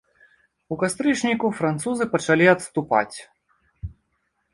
У кастрычніку французы пачалі адступаць.